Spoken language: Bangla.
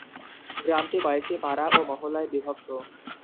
গ্রামটি কয়েকটি পাড়া ও মহল্লায় বিভক্ত।